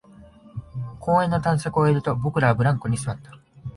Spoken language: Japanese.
公園の探索を終えると、僕らはブランコに座った